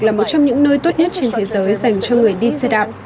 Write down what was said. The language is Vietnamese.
là một trong những nơi tốt nhất trên thế giới dành cho người đi xe đạp